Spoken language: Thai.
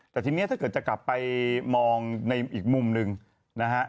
แต่ทีนี้ถ้าเกิดจะกลับไปมองในอีกมุมหนึ่งนะฮะ